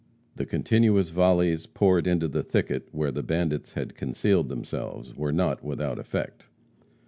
The continuous volleys poured into the thicket where the bandits had concealed themselves were not without effect.